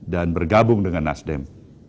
dan bergabung dengan nasdem